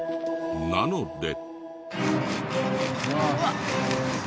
なので。